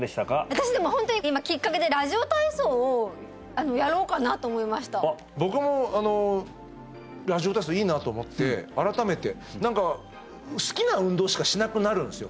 私でもホントに今きっかけで僕もラジオ体操いいなと思って改めて何か好きな運動しかしなくなるんですよ